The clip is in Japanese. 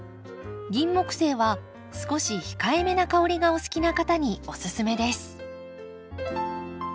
ギンモクセイは少し控えめな香りがお好きな方におすすめです。